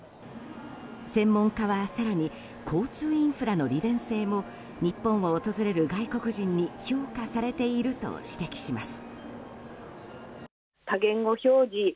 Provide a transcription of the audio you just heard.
専門家は更に交通インフラの利便性も日本を訪れる外国人に評価されていると指摘します。